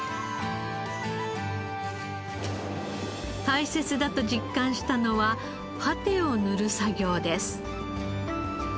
大切だと実感したのはパテを塗る作業です。